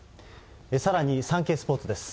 さらにサンケイスポーツです。